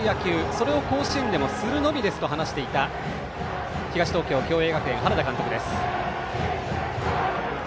それを甲子園でもするのみですと話していた東東京・共栄学園の原田監督です。